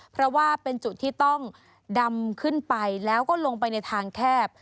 เพราะว่าเป็นจุดที่ต้องดำขึ้นไปแล้วก็ลงไปในทางแคบ